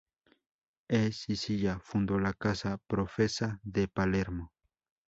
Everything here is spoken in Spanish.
En Sicilia fundó la casa profesa de Palermo.